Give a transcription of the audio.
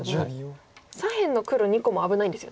左辺の黒２個も危ないんですよね。